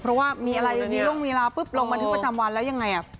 เพราะว่ามีอะไรมีล่วงเวลาปึ๊บลงมาถึงประจำวันแล้วยังไง